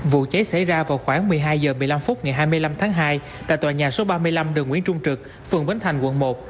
vụ cháy xảy ra vào khoảng một mươi hai h một mươi năm phút ngày hai mươi năm tháng hai tại tòa nhà số ba mươi năm đường nguyễn trung trực phường bến thành quận một